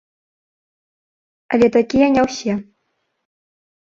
Але такія не ўсе.